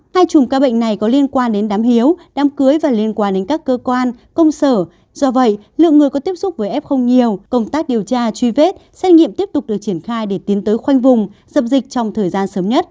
hai chùm ca bệnh này có liên quan đến đám hiếu đám cưới và liên quan đến các cơ quan công sở do vậy lượng người có tiếp xúc với f nhiều công tác điều tra truy vết xét nghiệm tiếp tục được triển khai để tiến tới khoanh vùng dập dịch trong thời gian sớm nhất